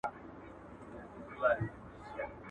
شیخه په خلکو به دې زر ځله ریا ووینم.